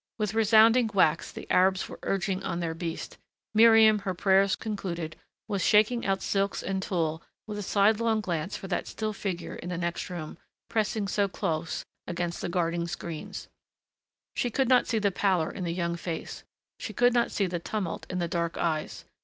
With resounding whacks the Arabs were urging on their beast; Miriam, her prayers concluded, was shaking out silks and tulle with a sidelong glance for that still figure in the next room, pressing so close against the guarding screens. She could not see the pallor in the young face. She could not see the tumult in the dark eyes.